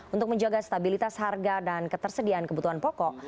untuk menjaga stabilitas harga dan ketersediaan kebutuhan pokok